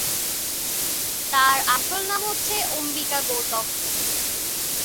তাঁর আসল নাম হচ্ছে অম্বিকা গৌতম।